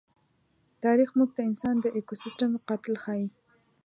تاریخ موږ ته انسان د ایکوسېسټم قاتل ښيي.